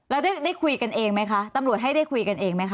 แล้วได้คุยกันเองไหมคะตำรวจให้ได้คุยกันเองไหมค